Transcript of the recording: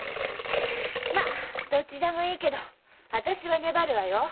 まあどっちでもいいけど私は粘るわよ。